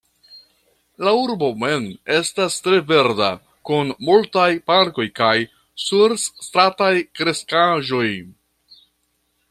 La urbo mem estas tre verda, kun multaj parkoj kaj surstrataj kreskaĵoj.